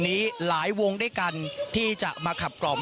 ที่เอาไว้ว่าเอาไว้ครบหนึ่ง